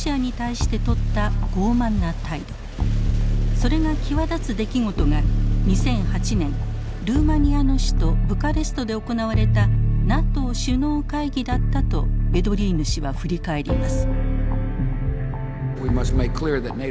それが際立つ出来事が２００８年ルーマニアの首都ブカレストで行われたＮＡＴＯ首脳会議だったとヴェドリーヌ氏は振り返ります。